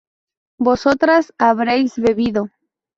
vosotras habréis bebido